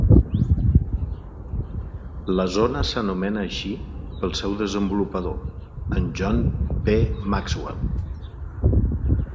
La zona s'anomena així pel seu desenvolupador, en John P. Maxwell.